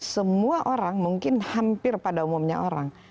semua orang mungkin hampir pada umumnya orang